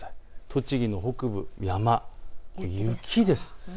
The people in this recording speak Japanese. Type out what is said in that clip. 栃木の北部、山、雪です。